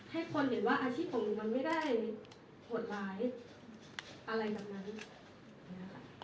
ให้คนเห็นว่าอาชีพของหนูมันไม่ได้ห่วงหลายอะไรแบบนั้น